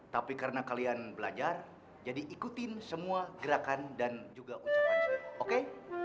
tapi karena kalian belajar jadi ikutin semua gerakan dan juga ucapan saya oke